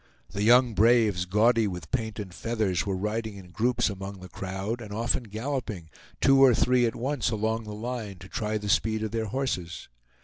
The young braves, gaudy with paint and feathers, were riding in groups among the crowd, and often galloping, two or three at once along the line, to try the speed of their horses.